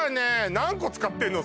何個使ってんの？